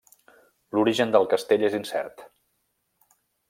L'origen del castell és incert.